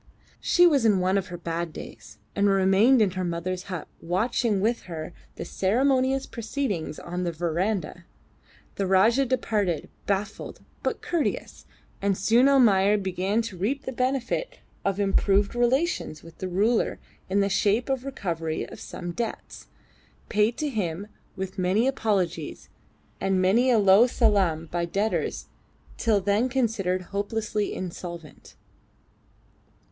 She was in one of her bad days, and remained in her mother's hut watching with her the ceremonious proceedings on the verandah. The Rajah departed, baffled but courteous, and soon Almayer began to reap the benefit of improved relations with the ruler in the shape of the recovery of some debts, paid to him with many apologies and many a low salaam by debtors till then considered hopelessly insolvent.